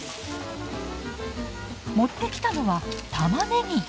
持ってきたのはたまねぎ。